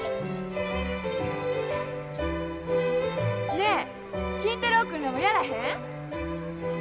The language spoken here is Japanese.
ねえ金太郎君らもやらへん？